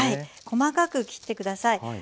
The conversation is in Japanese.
細かく切ってください。